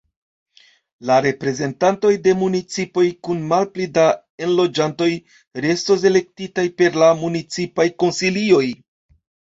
La reprezentantoj de municipoj kun malpli da enloĝantoj restos elektitaj per la municipaj konsilioj.